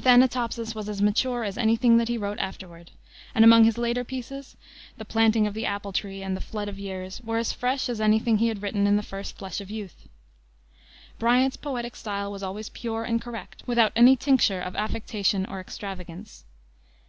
Thanatopsis was as mature as any thing that he wrote afterward, and among his later pieces, the Planting of the Apple Tree and the Flood of Years were as fresh as any thing that he had written in the first flush of youth. Bryant's poetic style was always pure and correct, without any tincture of affectation or extravagance.